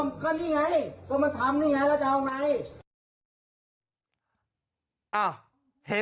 เธอตกใจมากโทรหาพ่อตามมาได้ทันเวลาพอดีเลย